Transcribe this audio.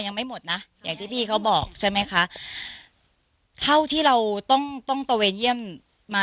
ยังไม่หมดนะอย่างที่พี่เขาบอกใช่ไหมคะเท่าที่เราต้องต้องตะเวนเยี่ยมมา